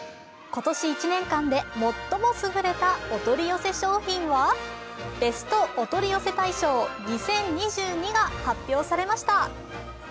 今年１年間で最も優れたお取り寄せはベストお取り寄せ大賞２０２２が発表されました。